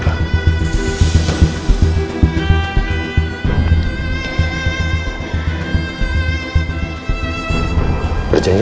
soret perjanjian pernikahannya